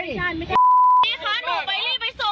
แยะอ่ะ